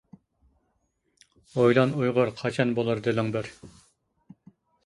ئويلان ئۇيغۇر قاچان بولۇر دىلىڭ بىر.